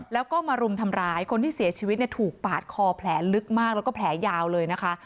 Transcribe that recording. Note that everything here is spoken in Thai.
แล้วก็มารุมทำร้ายคนที่เสียชีวิตถูกปาดคอแผลลึกมากแล้วก็แผลยาวเลยนะคะ